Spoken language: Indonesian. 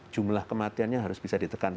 jumlah kematiannya harus bisa ditekan